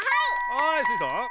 はいスイさん。